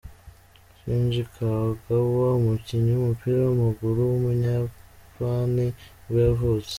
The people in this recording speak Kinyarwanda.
Shinji Kagawa, umukinnyi w’umupira w’amaguru w’umuyapani nibwo yavutse.